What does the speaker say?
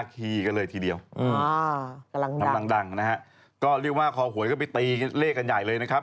ก็เรียกว่าคอหวยก็ไปตีเลขอันใหญ่เลยนะครับ